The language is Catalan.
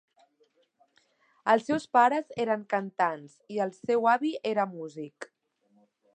Els seus pares eren cantants i el seu avi era músic.